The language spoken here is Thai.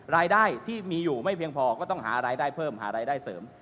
รายได้ที่มีอยู่ไม่เพียงพอก็ต้องหารายได้เพิ่มหารายได้เสริม